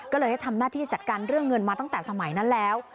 ก็เลยให้ทำหน้าที่จัดการเรื่องเงินมาตั้งแต่สมัยนั้นแล้ว